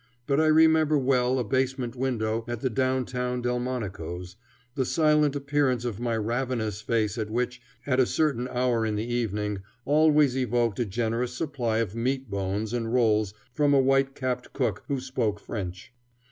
But I remember well a basement window at the down town Delmonico's, the silent appearance of my ravenous face at which, at a certain hour in the evening, always evoked a generous supply of meat bones and rolls from a white capped cook who spoke French.